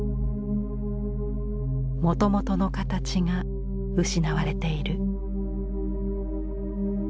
もともとの形が失われている。